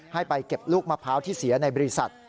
ให้ไปเก็บลูกมะพร้าวที่เสียในบริษัท